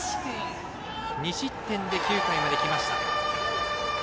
２失点で９回まできました。